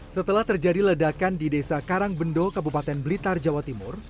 setelah terjadi ledakan di desa karangbendo kabupaten blitar jawa timur